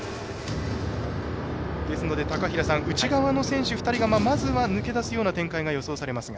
ですので、内側の選手２人がまずは抜け出すような展開が予想されます。